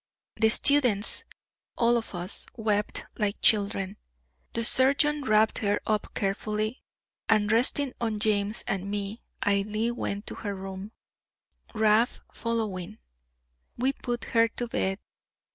The students all of us wept like children; the surgeon wrapped her up carefully and resting on James and me, Ailie went to her room, Rab following. We put her to bed.